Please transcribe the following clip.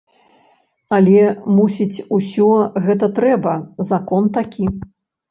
Але, мусіць, усё гэта трэба, закон такі.